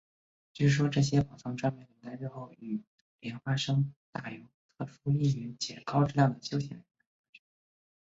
据说这些宝藏专门留待日后与莲花生大士有特殊因缘且高证量的修行人来发觉。